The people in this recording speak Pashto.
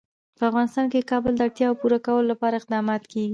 په افغانستان کې د کابل د اړتیاوو پوره کولو لپاره اقدامات کېږي.